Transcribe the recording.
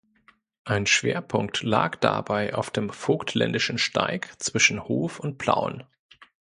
Ein Schwerpunkt lag dabei auf dem vogtländischen Steig zwischen Hof und Plauen.